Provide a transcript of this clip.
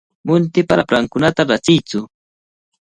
Muntipa raprankunata rachiytsu.